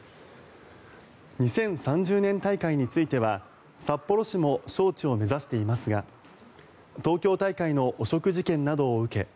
２０３０年大会については札幌市も招致を目指していますが東京大会の汚職事件などを受け